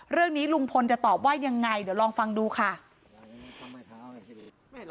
ลุงพลจะตอบว่ายังไงเดี๋ยวลองฟังดูค่ะ